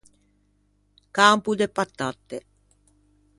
Campo de patatte.